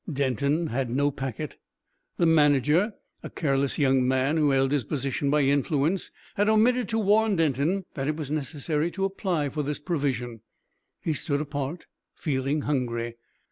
Denton had no packet. The manager, a careless young man who held his position by influence, had omitted to warn Denton that it was necessary to apply for this provision. He stood apart, feeling hungry.